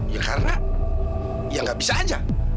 ya karena ya nggak bisa aja